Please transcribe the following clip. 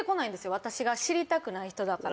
私が知りたくない人だから。